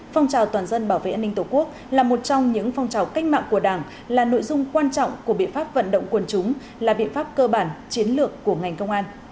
phong trào toàn dân bảo vệ an ninh tổ quốc là một trong những phong trào cách mạng của đảng là nội dung quan trọng của biện pháp vận động quần chúng là biện pháp cơ bản chiến lược của ngành công an